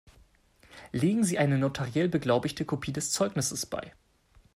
Legen Sie eine notariell beglaubigte Kopie des Zeugnisses bei.